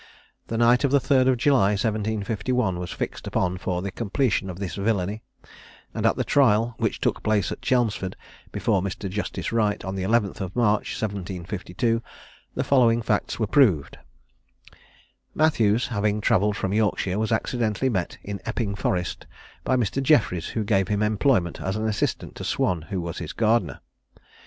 The night of the 3rd July, 1751, was fixed upon for the completion of this villany; and at the trial, which took place at Chelmsford, before Mr. Justice Wright, on the 11th March, 1752, the following facts were proved: Matthews having travelled from Yorkshire was accidentally met in Epping Forest by Mr. Jeffries, who gave him employment as an assistant to Swan, who was his gardener.